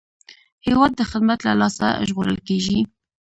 هېواد د خدمت له لاسه ژغورل کېږي.